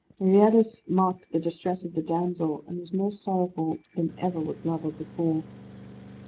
Meriadus marked the distress of the damsel, and was more sorrowful than ever was lover before.